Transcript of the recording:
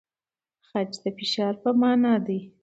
خج د فشار په مانا دی؟